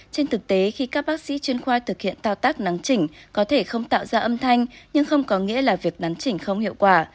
trên thực tế khi các bác sĩ chuyên khoa thực hiện thao tác nắng chỉnh có thể không tạo ra âm thanh nhưng không có nghĩa là việc nắn chỉnh không hiệu quả